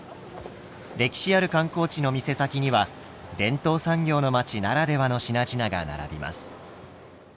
歴史ある観光地の店先には伝統産業の町ならではの品々が並びます。